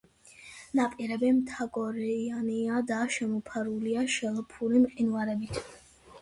ნაპირები მთაგორიანია და შემოფარგლულია შელფური მყინვარებით.